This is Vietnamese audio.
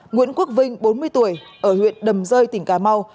nguyễn quốc vinh bốn mươi tuổi ở huyện đầm rơi tỉnh cà mau